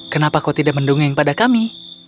kenapa kau tidak mendungi yang pada kami